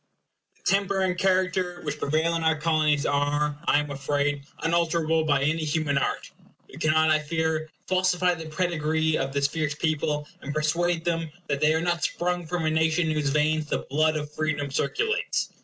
The temper and character which prevail in our Colonies are, I am afraid, unalterable by any human art. We cannot, I fear, falsify the pedigree of this fierce people, and persuade them that they are not sprung from a nation in whose veins the blood of freedom circulates.